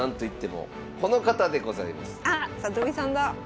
あっ里見さんだ！